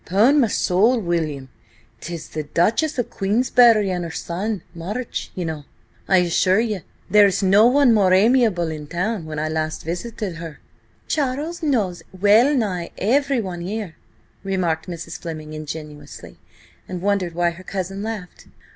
"'Pon my soul, William! 'Tis the Duchess of Queensberry and her son–March, you know. I assure you there is no one more amiable in town. When I last visited her—" "Charles knows well nigh everyone here," remarked Mrs. Fleming ingenuously, and wondered why her cousin laughed.